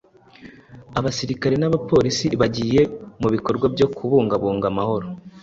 Abasirikari n’abaporisi bagiye mu bikorwa byo kubungabunga amahoro